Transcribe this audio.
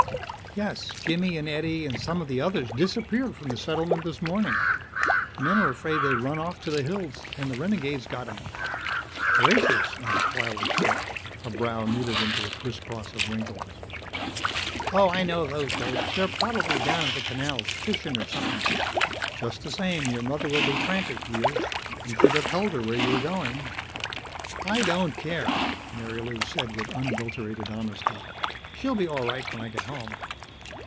"Yes Jimmy an' Eddie an' some of the others disappeared from the settlement this morning. The men're afraid they've run off to th' hills an' the renegades got 'em." "Gracious," Aunt Twylee said; her brow knitted into a criss cross of wrinkles. "Oh, I know those dopes. They're prob'ly down at th' canals fishin' or somep'n." "Just the same, your mother will be frantic, dear. You should have told her where you were going." "I don't care," Marilou said with unadulterated honesty. "She'll be all right when I get home."